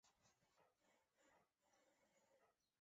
丽纹梭子蟹为梭子蟹科梭子蟹属的动物。